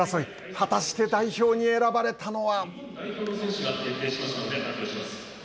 果たして代表に選ばれたのは。